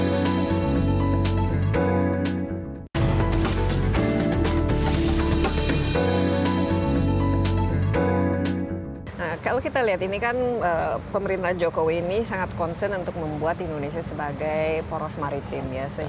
nah kalau kita lihat ini kan pemerintah jokowi ini sangat concern untuk membuat indonesia sebagai poros maritim